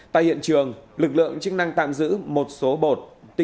tại hiện trường lực lượng chức năng tạm giữ một số bột